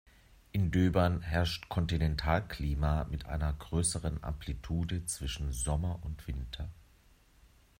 In Döbern herrscht Kontinentalklima mit einer größeren Amplitude zwischen Sommer und Winter.